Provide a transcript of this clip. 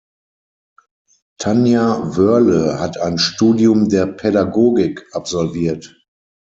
Tanja Wörle hat ein Studium der Pädagogik absolviert.